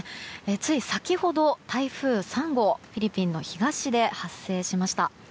つい先ほど台風３号フィリピンの東で発生しました。